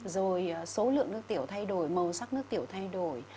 rồi số lượng nước tiểu thay đổi màu sắc nước tiểu thay đổi